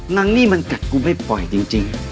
นางนี่มันกัดกูไม่ปล่อยจริง